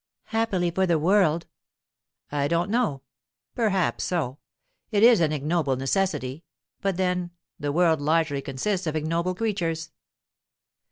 "Happily for the world." "I don't know. Perhaps so. It is an ignoble necessity; but then, the world largely consists of ignoble creatures."